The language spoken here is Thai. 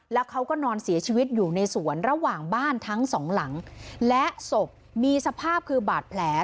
แล้วเขาก็นอนเสียชีวิตอยู่ในสวนระหว่างบ้านทั้งสองหลังและศพมีสภาพคือบาดแผล